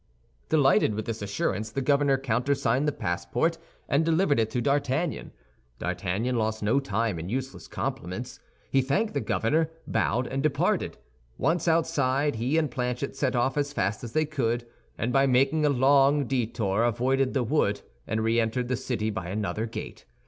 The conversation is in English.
Delighted with this assurance the governor countersigned the passport and delivered it to D'Artagnan. D'Artagnan lost no time in useless compliments. He thanked the governor, bowed, and departed. Once outside, he and Planchet set off as fast as they could; and by making a long detour avoided the wood and reentered the city by another gate.